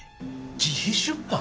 自費出版？